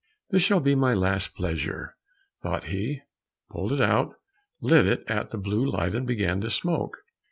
"This shall be my last pleasure," thought he, pulled it out, lit it at the blue light and began to smoke.